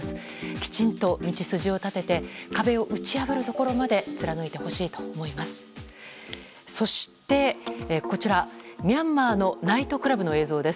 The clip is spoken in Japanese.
きちんと道筋を立てて壁を打ち破るところまで貫いてほしいと思います。